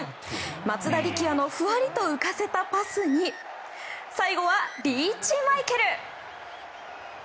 松田力也のふわりと浮かせたパスに最後はリーチマイケル。